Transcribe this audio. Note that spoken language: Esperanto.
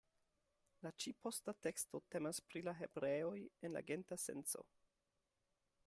La ĉi-posta teksto temas pri la hebreoj en la genta senco.